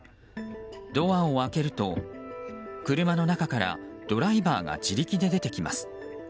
ドアを開けると、車の中からドライバーが自力で出てきます。